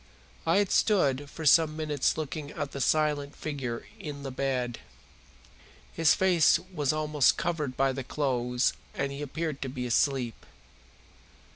I had stood for some minutes looking at the silent figure in the bed. His face was almost covered by the clothes and he appeared to be asleep.